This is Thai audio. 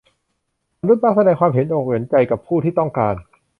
มนุษย์มักแสดงความเห็นอกเห็นใจกับผู้ที่ต้องการ